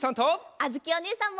あづきおねえさんも。